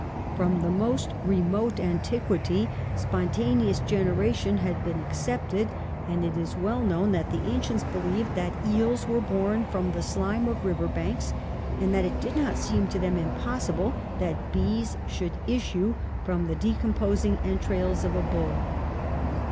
From the most remote antiquity spontaneous generation had been accepted, and it is well 60 PASTEUR known that the ancients believed that eels were born from the slime of river banks, and that it did not seem to them impossible that bees should issue from the decomposing entrails of a bull.